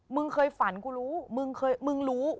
มึงเคยฝันกูรู้